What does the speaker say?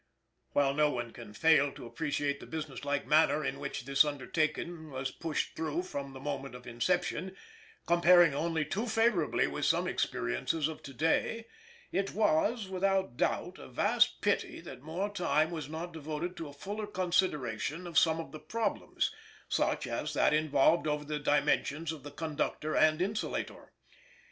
While no one can fail to appreciate the businesslike manner in which this undertaking was pushed through from the moment of inception comparing only too favorably with some experiences of to day it was, without doubt, a vast pity that more time was not devoted to a fuller consideration of some of the problems, such as that involved over the dimensions of the conductor and insulator.